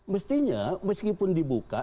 mestinya meskipun dibuka